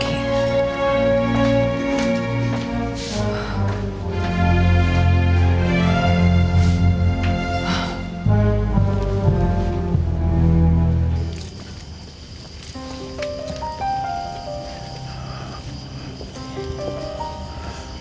kita harus pergi ke rumah